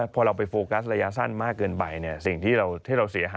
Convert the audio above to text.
ไฟฝนผิดประเด็น